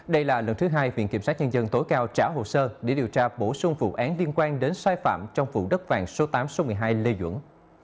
đây là lần thứ hai viện kiểm sát nhân dân tối cao trả hồ sơ để điều tra bổ sung vụ án liên quan đến sai phạm trong vụ đất vàng số tám số một mươi hai lê duẩn